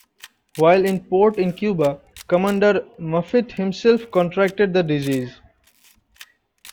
While in port in Cuba, Commander Maffitt himself contracted the disease.